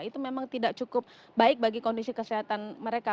itu memang tidak cukup baik bagi kondisi kesehatan mereka